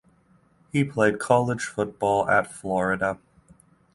He played college football at Florida.